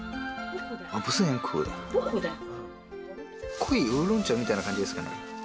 濃いウーロン茶みたいな感じ